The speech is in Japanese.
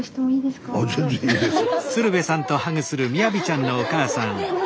あ全然いいですよ。